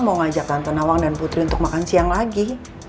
mau ngajak tante nawang dan putri untuk makan siang lagi